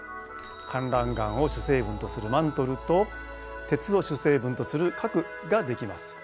かんらん岩を主成分とするマントルと鉄を主成分とする核ができます。